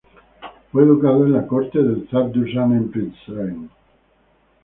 Fue educado en la corte del Zar Dušan en Prizren.